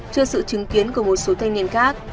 trước sự chứng kiến của một số thanh niên khác